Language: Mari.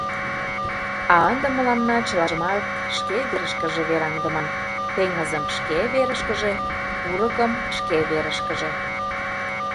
А ынде мыланна чылажымат шке верышкыже вераҥдыман: теҥызым — шке верышкыже, курыкым — шке верышкыже.